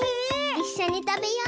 いっしょにたべよう！